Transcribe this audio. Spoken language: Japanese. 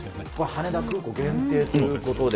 羽田空港限定ということで。